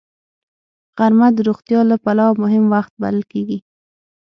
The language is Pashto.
غرمه د روغتیا له پلوه مهم وخت بلل کېږي